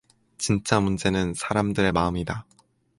진짜 문제는 사람들의 마음이다.